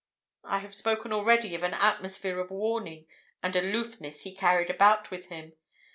I have spoken already of an atmosphere of warning and aloofness he carried about with him.